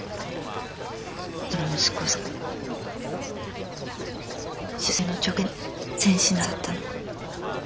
その息子さん終戦の直前に戦死なさったの。